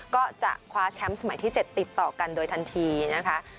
ก็จะคว้าแชมป์สมัยที่๗ติดต่อกันโดยทันทีนะคะ